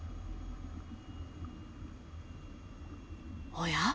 おや？